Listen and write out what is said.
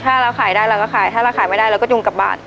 ถ้าเราขายได้เราก็ขายถ้าเราขายไม่ได้เราก็จุงกลับบ้าน